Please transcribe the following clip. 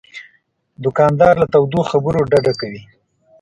دوکاندار له تودو خبرو ډډه کوي.